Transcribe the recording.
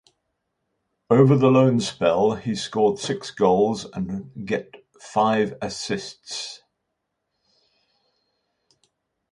Over the loan spell he scored six goals and get five assists.